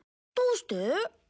どうして？